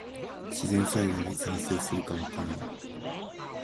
自然災害はいつ発生するかわからない。